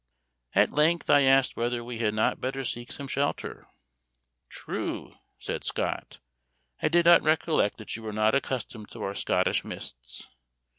At length, I asked whether we had not better seek some shelter. "True," said Scott, "I did not recollect that you were not accustomed to our Scottish mists.